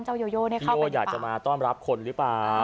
เจ้าโยโย่เข้าไปหรือเปล่าพี่โย่อยากจะมาต้อนรับคนหรือเปล่า